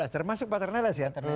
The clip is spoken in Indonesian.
dua belas termasuk pak ter neles kan